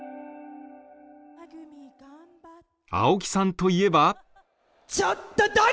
青木さんといえば。